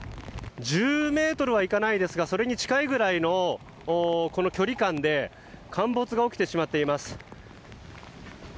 １０ｍはいかないですがそれに近いぐらいの距離感で陥没が起きてしまっています。